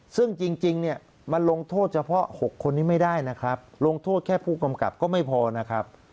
ซึ่งจริงเนี่ยมันลงโทษเฉพาะ๖คนนี้ไม่ได้นะครับลงโทษแค่ผู้กำกับก็ไม่พอนะครับ